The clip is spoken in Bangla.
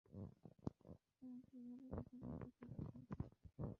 তোমাকে এভাবে কথা বলতে কে শিখিয়েছে?